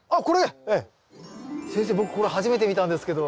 先生僕これ初めて見たんですけど。